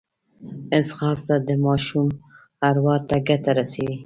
ځغاسته د ماشوم اروا ته ګټه رسوي